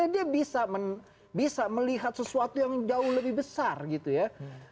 dia bisa melihat sesuatu yang jauh lebih besar gitu ya